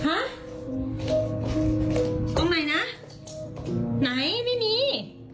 ตรงไหนนะไหนไม่มี